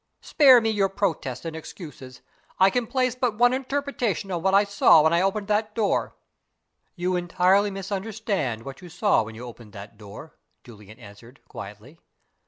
Spare me your protests and excuses; I can place but one interpretation on what I saw when I opened that door." "You entirely misunderstand what you saw when you opened that door," Julian answered, quietly.